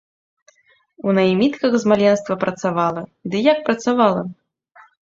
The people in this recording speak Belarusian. У наймітках з маленства працавала, ды як працавала?!